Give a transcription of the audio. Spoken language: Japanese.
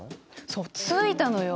そうついたのよ。